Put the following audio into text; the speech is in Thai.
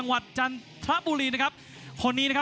ในช่องร่วมภูมิเกิ่มสวยทุกคน